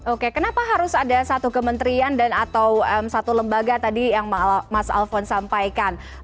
oke kenapa harus ada satu kementerian dan atau satu lembaga tadi yang mas alfon sampaikan